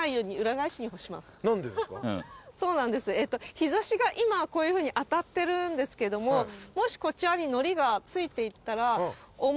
日差しが今はこういうふうに当たってるんですけどももしこちらに海苔がついていたら。